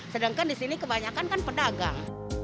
sedangkan di sini kebanyakan kan pedagang